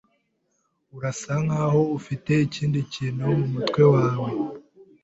Urasa nkaho ufite ikindi kintu mumutwe wawe.